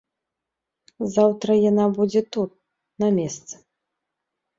Заўтра яна будзе тут, на месцы.